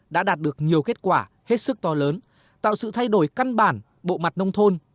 đã đạt được nhiều kết quả hết sức to lớn tạo sự thay đổi căn bản bộ mặt nông thôn